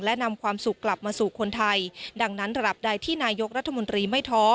และนำความสุขกลับมาสู่คนไทยดังนั้นระดับใดที่นายกรัฐมนตรีไม่ท้อ